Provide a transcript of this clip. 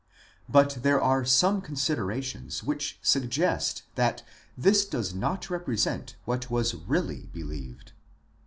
But there are some considerations which suggest that this does not represent what was really believed.